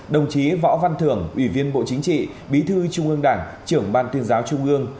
đồng chí võ văn thưởng ủy viên bộ chính trị bí thư trung ương đảng trưởng ban tuyên giáo trung ương